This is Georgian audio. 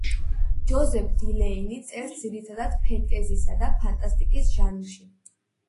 ჯოზეფ დილეინი წერს ძირითადად ფენტეზისა და ფანტასტიკის ჟანრში.